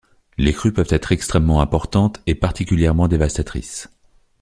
Les crues peuvent être extrêmement importantes et particulièrement dévastatrices.